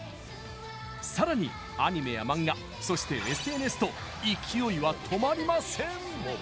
さらに、アニメやマンガそして、ＳＮＳと勢いは止まりません！